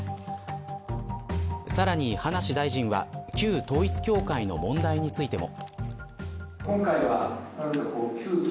さらに葉梨大臣は旧統一教会の問題についても。